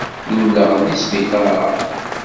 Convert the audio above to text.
Luleɣ-d deg sbiṭaṛ-a.